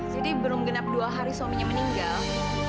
jadi belum genap dua hari suaminya meninggal